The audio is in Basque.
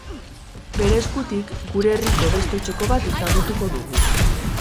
Bere eskutik, gure herriko beste txoko bat ezagutuko dugu.